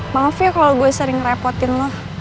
maaf ya kalau gue sering ngerepotin lo